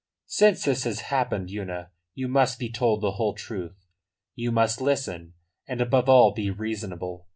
"Since this has happened, Una, you must be told the whole truth; you must listen, and, above all, be reasonable.